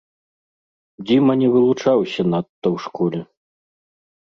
Дзіма не вылучаўся надта ў школе.